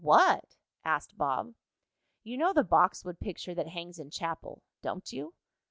"What?" asked Bob. "You know the Boxwood picture that hangs in chapel; don't you?"